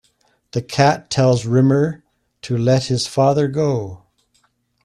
The Cat tells Rimmer to let his father go.